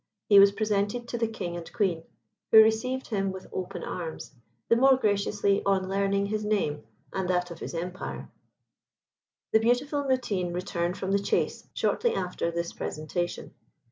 He was presented to the King and Queen, who received him with open arms, the more graciously on learning his name and that of his empire. The beautiful Mutine returned from the chase shortly after this presentation.